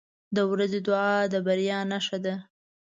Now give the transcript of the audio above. • د ورځې دعا د بریا نښه ده.